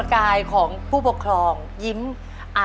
ขอเชิญแสงเดือนมาต่อชีวิต